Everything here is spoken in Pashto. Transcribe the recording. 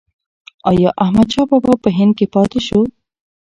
ایا احمدشاه بابا په هند کې پاتې شو؟